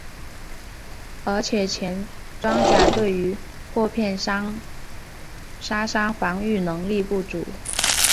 而且前装甲对于破片杀伤防御能力不足。